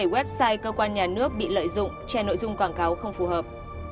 sáu mươi bảy website cơ quan nhà nước bị lợi dụng che nội dung quảng cáo không phù hợp